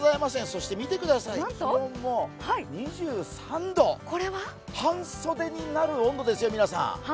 そして見てください、気温も２３度、半袖になる温度ですよ、皆さん。